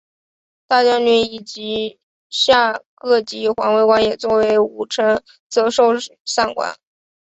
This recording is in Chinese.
大将军以下各级环卫官也作为武臣责授散官。